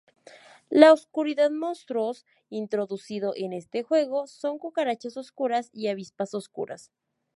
La oscuridad monstruos introducido en este juego son cucarachas oscuras y avispas oscuras.